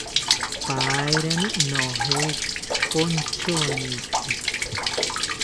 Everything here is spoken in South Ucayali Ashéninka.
Paerani nojeki ponchoniki